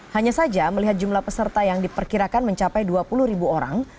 hanya saja melihat jumlah peserta yang diperkirakan mencapai dua puluh ribu orang